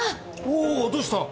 おおどうした？